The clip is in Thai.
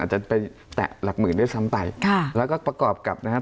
อาจจะไปแตะหลักหมื่นได้ซ้ำใต่ค่ะแล้วก็ประกอบกับนะฮะ